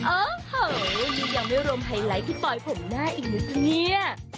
โอ้โหนี่ยังไม่รวมไฮไลท์พี่ปอยผมหน้าอีกนะคะเนี่ย